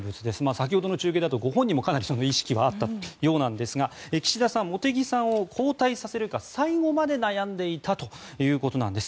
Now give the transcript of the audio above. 先ほどの中継だとご本人もかなりその意識はあったようなんですが岸田さん茂木さんを交代させるか最後まで悩んでいたということです。